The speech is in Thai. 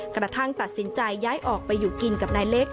กระทั่งตัดสินใจย้ายออกไปอยู่กินกับนายเล็ก